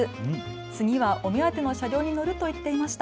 次はお目当ての車両に乗ると言っていました。